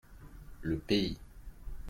Le pays.